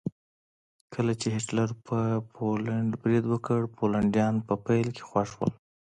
کله چې هېټلر په پولنډ برید وکړ پولنډیان په پیل کې خوښ وو